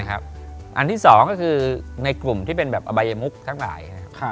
อันที่๒ก็คือในกลุ่มที่เป็นแบบอบัยมุกทั้งหลาย